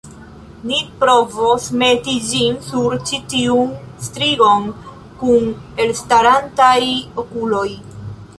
Ni provos meti ĝin sur ĉi tiun strigon kun elstarantaj okuloj!